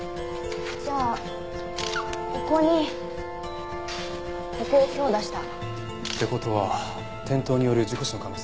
じゃあここにここを強打した。って事は転倒による事故死の可能性もありますね。